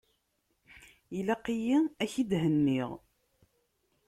Ilaq-yi ad k-id-henniɣ.